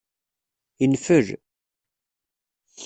Infel.